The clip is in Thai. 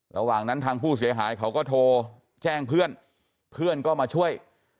ระหว่างนั้นทางผู้เสียหายเขาก็โทรแจ้งเพื่อนเพื่อนก็มาช่วย